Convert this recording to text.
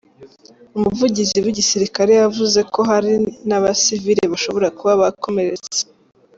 Umuvugizi w'igisiriakare yavuze ko hari n'abasivile bashobora kuba bakomeretse.